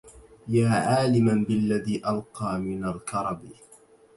يا عالما بالذي ألقى من الكرب